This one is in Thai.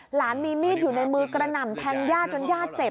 หลานมีมีดอยู่ในมือกระหน่ำแทงย่าจนย่าเจ็บ